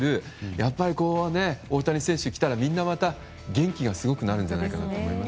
やっぱり大谷選手が来たらみんなまた元気に、すごくなるんじゃないかと思います。